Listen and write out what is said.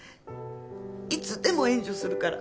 いつでも援助するから。